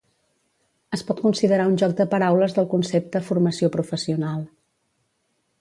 Es pot considerar un joc de paraules del concepte formació professional.